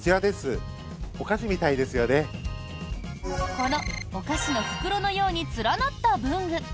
この、お菓子の袋のように連なった文具。